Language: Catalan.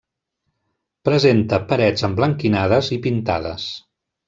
Presenta parets emblanquinades i pintades.